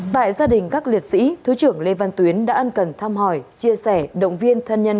tại gia đình các liệt sĩ thứ trưởng lê văn tuyến đã ăn cần thăm hỏi chia sẻ động viên thân nhân